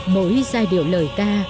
mỗi giai điệu lời ca